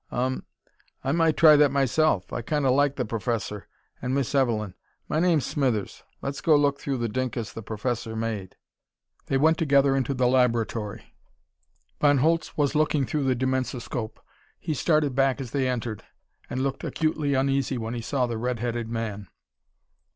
"Um. I might try that myself. I kinda like the Professor. An' Miss Evelyn. My name's Smithers. Let's go look through the dinkus the Professor made." They went together into the laboratory. Von Holtz was looking through the dimensoscope. He started back as they entered, and looked acutely uneasy when he saw the red headed man.